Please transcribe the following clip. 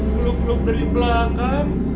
blok blok dari belakang